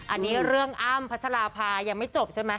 อันนี้เรื่องอ้ำพัชราภายังไม่จบใช่ไหม